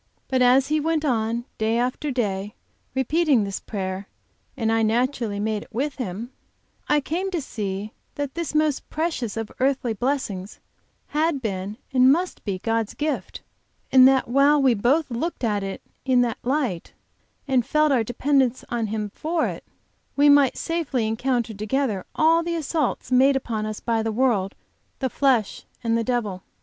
But as he went on day after day repeating this prayer, and I naturally made it with him, I came to see that this most precious of earthly blessings had been and must be God's gift, and that while we both looked at it in that light, and felt our dependence on Him for it, we might safely encounter together all the assaults made upon us by the world, the flesh, and the devil.